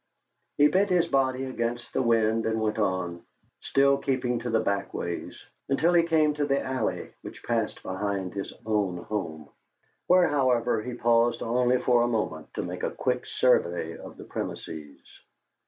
He bent his body against the wind and went on, still keeping to the back ways, until he came to the alley which passed behind his own home, where, however, he paused only for a moment to make a quick survey of the premises.